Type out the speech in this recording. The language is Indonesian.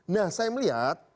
nah saya melihat